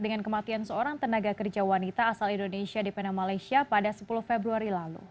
dengan kematian seorang tenaga kerja wanita asal indonesia di pena malaysia pada sepuluh februari lalu